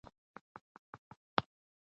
تاسو هم باید بدل شئ.